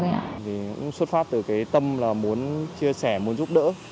thì cũng xuất phát từ cái tâm là muốn chia sẻ muốn giúp đỡ